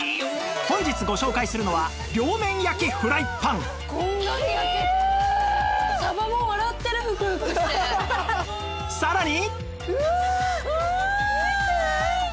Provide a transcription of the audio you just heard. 本日ご紹介するのはさらに